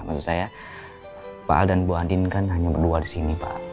maksud saya pak aldebaran dan bu andien kan hanya berdua disini pak